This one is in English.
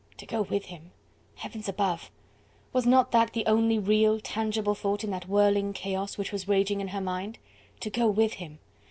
To go with him! Heavens above! was not that the only real, tangible thought in that whirling chaos which was raging in her mind? To go with him!